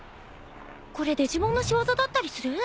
これデジモンの仕業だったりする？